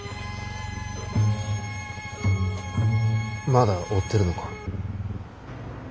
まだ追ってるのか？